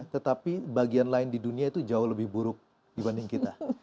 tetapi bagian lain di dunia itu jauh lebih buruk dibanding kita